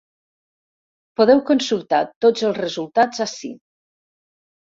Podeu consultar tots els resultats ací.